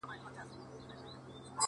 کار چي د شپې کيږي هغه په لمرخاته ‘نه کيږي’